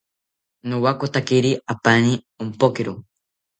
Nowakotakiri apani ompokiro